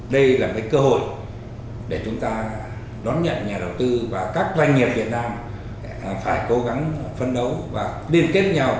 đây là cơ hội để chúng ta đón nhận nhà đầu tư và các doanh nghiệp việt nam phải cố gắng phân đấu và liên kết nhau